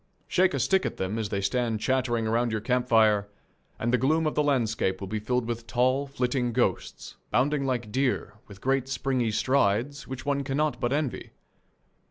Shake a stick at them as they stand chattering about your camp fire, and the gloom of the landscape will be filled with tall, flitting ghosts, bounding like deer, with great springy strides which one cannot but envy.